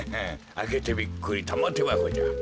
あけてびっくりたまてばこじゃ。